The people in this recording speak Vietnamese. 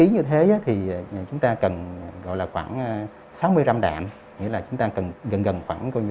người thế thì chúng ta cần gọi là khoảng sáu mươi gram đạm nghĩa là chúng ta cần gần gần khoảng coi như